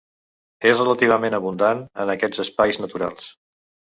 És relativament abundant en aquests espais naturals.